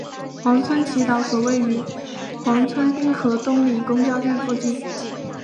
黄村祈祷所位于黄村滨河东里公交站附近。